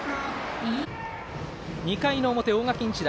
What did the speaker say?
２回の表、大垣日大。